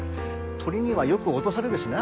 鳥にはよく落とされるしな。